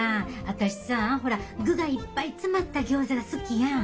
私さほら具がいっぱい詰まったギョーザが好きやん。